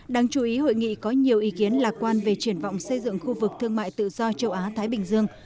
đáng chú ý hội nghị có nhiều ý kiến lạc quan về triển vọng xây dựng khu vực thương mại tự do châu á thái bình dương